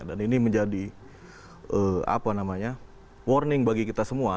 dan ini menjadi warning bagi kita semua